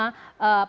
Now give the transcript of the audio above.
pada kuartal kedua